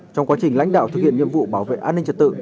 trong quá trình lãnh đạo thực hiện nhiệm vụ bảo vệ an ninh trật tự